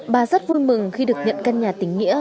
bà rất vui mừng khi được nhận căn nhà tỉnh nghĩa